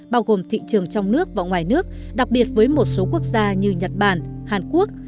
bao gồm thị trường trong nước và ngoài nước đặc biệt với một số quốc gia như nhật bản hàn quốc